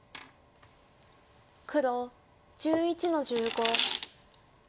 黒１１の十五。